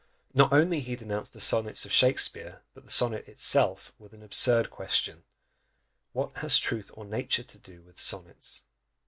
Not only he denounced the sonnets of Shakspeare, but the sonnet itself, with an absurd question, "What has truth or nature to do with sonnets?"